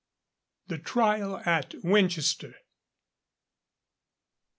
THE TRIAL AT WINCHESTER.